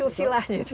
ada silsilahnya itu